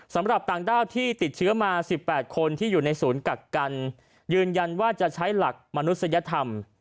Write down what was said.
สำหรับต่างด้าวที่ติดเชื้อมา๑๘คนที่อยู่ในศูนย์กักกันยืนยันว่าจะใช้หลักมนุษยธรรม